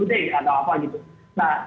nah kelihatan ini belakangan dulu deh